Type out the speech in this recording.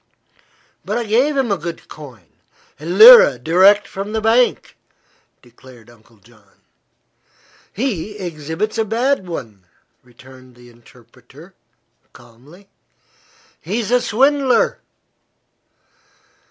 "But I gave him a good coin a lira direct from the bank," declared Uncle John. "He exhibits a bad one," returned the interpreter, calmly. "He's a swindler!"